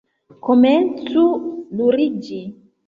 Komencu ruliĝi!